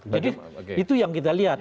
itu yang kita lihat